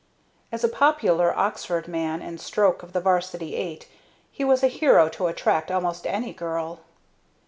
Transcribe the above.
As a popular Oxford man and stroke of the 'varsity eight he was a hero to attract almost any girl.